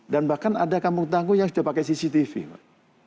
dan bahkan ada kampung tangguh yang sudah pakai cctv mbak